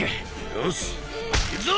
よしいくぞ！